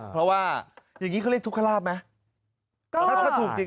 เพราะว่าอย่างนี้เขาเรียกทุกขลาบไหม